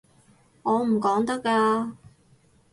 我唔講得㗎